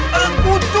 ngapain badan itu